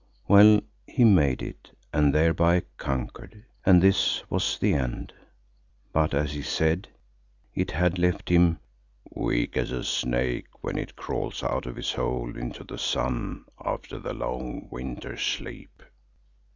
Well, he made it and thereby conquered, and this was the end, but as he said, it had left him, "weak as a snake when it crawls out of its hole into the sun after the long winter sleep."